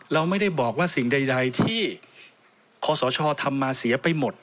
เราไม่ได้บอกว่าสิ่งใดที่ขอสชทำมาเสียไปหมด